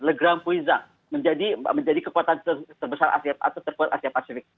legrand puigdemont menjadi kekuatan terbesar atau terkuat asia pasifik